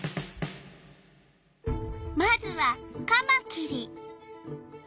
まずはカマキリ。